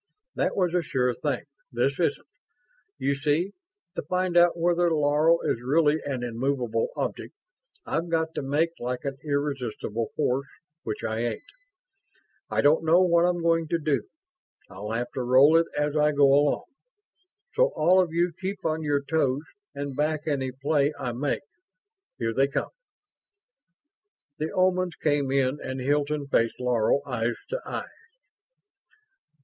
"That was a sure thing. This isn't. You see, to find out whether Laro is really an immovable object, I've got to make like an irresistible force, which I ain't. I don't know what I'm going to do; I'll have to roll it as I go along. So all of you keep on your toes and back any play I make. Here they come." The Omans came in and Hilton faced Laro, eyes to eyes.